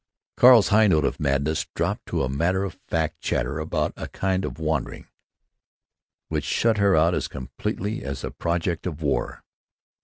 Carl's high note of madness dropped to a matter of fact chatter about a kind of wandering which shut her out as completely as did the project of war.